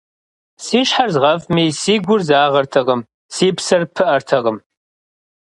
Си щхьэр згъэфӀми, си гур загъэртэкъым, си псэр пыӀэртэкъым.